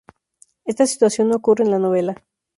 Esta situación no ocurre en la novela.